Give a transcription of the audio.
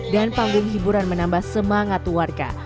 dan panggung hiburan menambah semangat warga